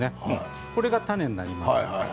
これが種になります。